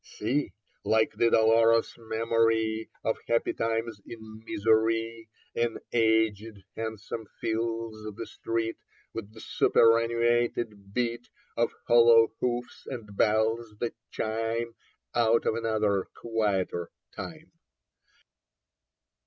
See, like the dolorous memory Of happy times in misery, An aged hansom fills the street With the superannuated beat Of hollow hoofs and bells that chime Out of another quieter time.